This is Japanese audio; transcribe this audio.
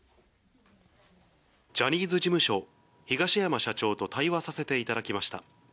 ジャニーズ事務所、東山社長と対話させていただきました。